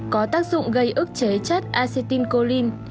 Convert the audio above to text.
có tác dụng gây ức chế chất acetylcholine